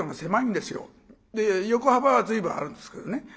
横幅は随分あるんですけどね。